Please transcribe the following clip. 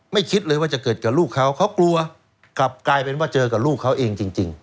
คิดเลยว่าจะเกิดกับลูกเขาเขากลัวกลับกลายเป็นว่าเจอกับลูกเขาเองจริง